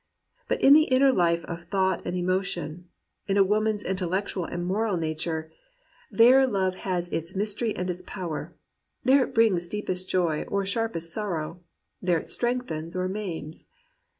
But in the inner life of thought and emo tion, in a woman's intellectual and moral nature, — 136 GEORGE ELIOT AND REAL WOMEN there love has its mystery and its power, there it brings deepest joy or sharpest sorrow, there it strengthens or maims.